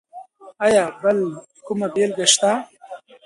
ایا بل کومه بېلګه شته؟